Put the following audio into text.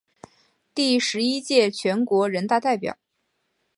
第十一届全国人大代表。